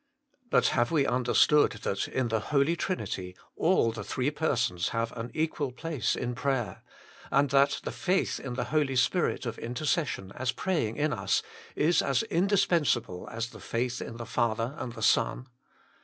But have we understood that in the Holy Trinity all the Three Persons have an equal place in prayer, and that the faith in the Holy Spirit of intercession as praying in us is as indispensable as the faith in the Father and the Son